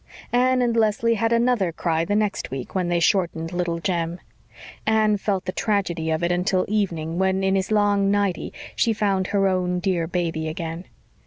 Anne and Leslie had another cry the next week when they shortened Little Jem. Anne felt the tragedy of it until evening when in his long nightie she found her own dear baby again.